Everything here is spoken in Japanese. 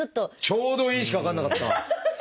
「ちょうどいい」しか分かんなかった！